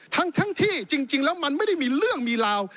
ทั้งที่จริงแล้วมันไม่ได้มีเรื่องมีราว